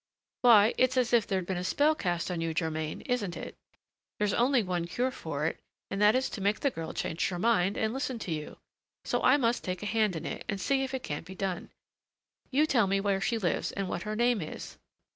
"Why, it's as if there'd been a spell cast on you, Germain, isn't it? There's only one cure for it, and that is to make the girl change her mind and listen to you. So I must take a hand in it, and see if it can be done. You tell me where she lives and what her name is."